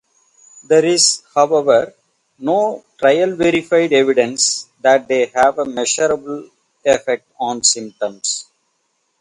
There is however, no trial-verified evidence that they have a measurable effect on symptoms.